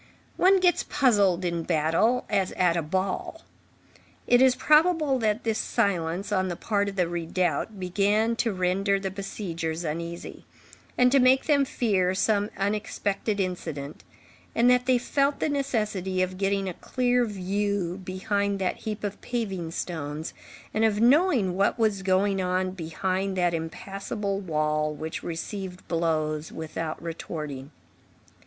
One gets puzzled in battle, as at a ball. It is probable that this silence on the part of the redoubt began to render the besiegers uneasy, and to make them fear some unexpected incident, and that they felt the necessity of getting a clear view behind that heap of paving stones, and of knowing what was going on behind that impassable wall which received blows without retorting.